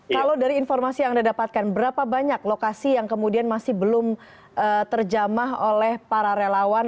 kalau dari informasi yang anda dapatkan berapa banyak lokasi yang kemudian masih belum terjamah oleh para relawan